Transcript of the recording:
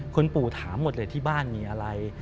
คุณปู่ถามหมดเลยที่บ้านมีอะไร